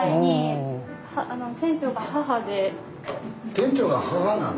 店長が母なの？